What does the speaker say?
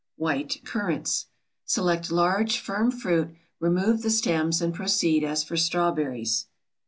WHITE CURRANTS. Select large, firm fruit, remove the stems, and proceed as for strawberries.